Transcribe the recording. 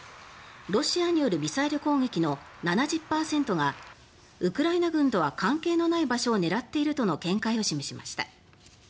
ロシアによるミサイル攻撃の７０％がウクライナ軍とは関係のない場所を狙っているとの見解を示しました。